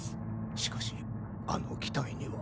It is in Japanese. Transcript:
しかしあの機体には。